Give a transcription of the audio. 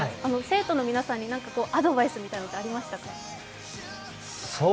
生徒の皆さんに何かアドバイスみたいなものはありましたか？